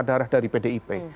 darah dari pdip